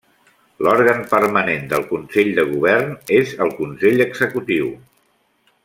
L'òrgan permanent del Consell de Govern és el Consell Executiu.